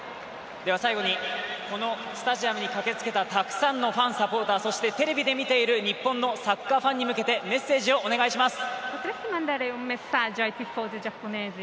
最後に、このスタジアムに駆けつけたたくさんのファン・サポーター、そしてテレビで見ている日本のサッカーファンに対してメッセージをお願いします。